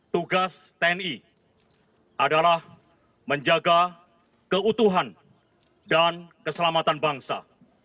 tugas tni adalah menjaga keutuhan dan keselamatan bangsa